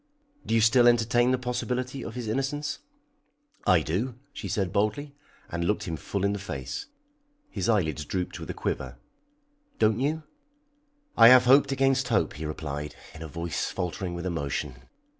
"Do you still entertain the possibility of his innocence?" "I do," she said boldly, and looked him full in the face. His eyelids drooped with a quiver. "Don't you?" "I have hoped against hope," he replied, in a voice faltering with emotion.